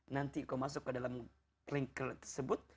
nanti kau masuk ke dalam link tersebut